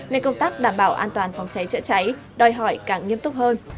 nên công tác đảm bảo an toàn phòng cháy chữa cháy đòi hỏi càng nghiêm túc hơn